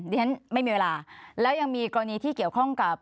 เรียนไม่มีเวลาแล้วยังมีกรณีที่เกี่ยวข้องกับ